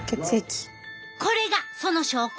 これがその証拠。